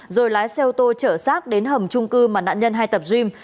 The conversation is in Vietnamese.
rồi lái xe ô tô trở sát đến hầm trung cư mà nạn nhân hay tập gym